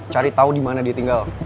cari tau dimana dia tinggal